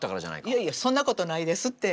いやいやそんなことないですって。